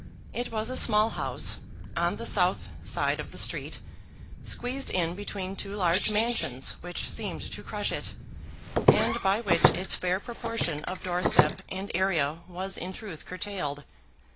It was a small house on the south side of the street, squeezed in between two large mansions which seemed to crush it, and by which its fair proportion of doorstep and area was in truth curtailed.